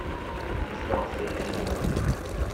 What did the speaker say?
He's not fit anyway.